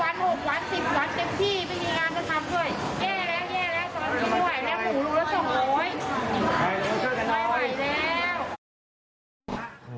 ห้าวันหกวันสิบวันเต็มที่ไม่มีงานจะทำด้วย